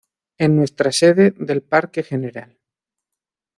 En nuestra Sede del Parque Gral.